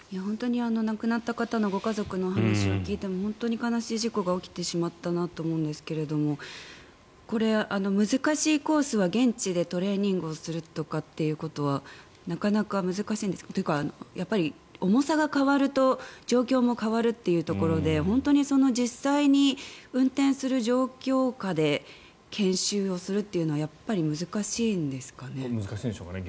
亡くなった方のご家族の話を聞いても本当に悲しい事故が起きてしまったなと思うんですけどこれ、難しいコースは現地でトレーニングをするということはなかなか難しいんですか？というかやっぱり重さが変わると状況も変わるというところで本当に実際に運転する状況下で研修をするというのはやっぱり難しいんですかね。